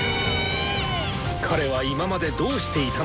彼は今までどうしていたのか？